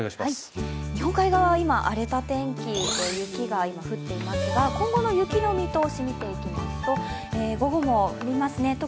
日本海側は今、荒れた天気、今雪が降っていますが、今後の雪の見通しを見ていきますと、午後も降りますね。